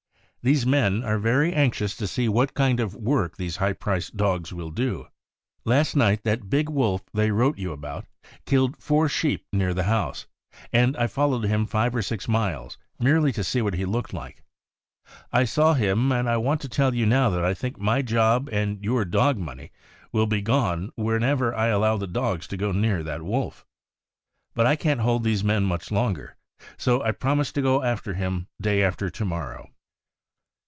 These men are very anxious to see what kind of work these high priced dogs will do. Last night, that big wolf they wrote you about killed four sheep near the house, and I followed him five or six miles merely •to see what he looked like. I saw him. and I want to tell you now that I think my job and your dog money will be gone whenever I allow the dogs to go near that wolf. But I can't hold these men much longer, so I promised to go after him day after to morrow."